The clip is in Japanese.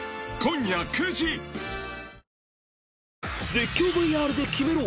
［絶叫ＶＲでキメろ！